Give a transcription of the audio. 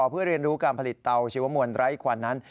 เพื่อเรียนรู้การผลิตเตาชีวมวลไร้ควันนั้น